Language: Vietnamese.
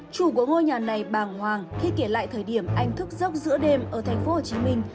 chủ của ngôi nhà này bàng hoàng khi kể lại thời điểm anh thức dốc giữa đêm ở thành phố hồ chí minh